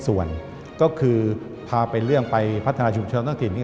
ส่วนก็คือพาไปเรื่องไปพัฒนาชุมชนท้องถิ่นนี้